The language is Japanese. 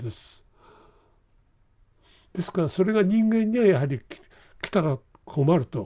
ですからそれが人間にはやはり来たら困ると。